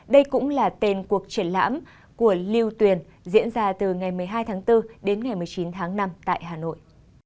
đây cũng là tên cuộc triển lãm của lưu tuyền diễn ra từ ngày một mươi hai tháng bốn đến ngày một mươi chín tháng năm tại hà nội